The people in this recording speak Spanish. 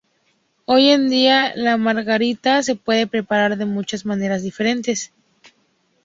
Hoy en día, la margarita se puede preparar de muchas maneras diferentes.